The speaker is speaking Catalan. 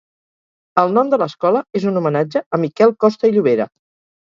El nom de l'escola és un homenatge a Miquel Costa i Llobera.